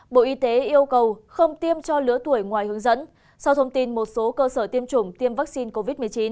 bộ y tế yêu cầu không tiêm cho lứa tuổi ngoài hướng dẫn sau thông tin một số cơ sở tiêm chủng tiêm vaccine covid một mươi chín